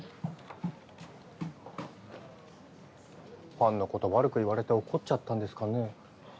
ファンのこと悪く言われて怒っちゃったんですかね？